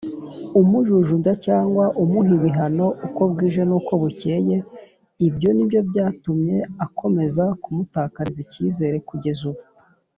umujujubya cyangwa umuha ibihano uko bwije nuko bucyeye ibyo nibyo byatumye akomeza kumutakariza icyizere kugeza ubu.